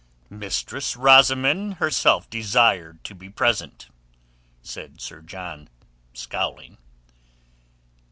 "Mistress Rosamund herself desired to be present," said Sir John, scowling.